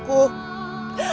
aku yang bersalah rai